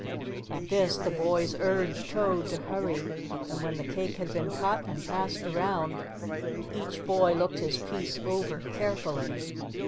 At this the boys urged Toad to hurry and when the cake had been cut and passed around each boy looked his piece over carefully.